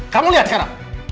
kamu lihat karang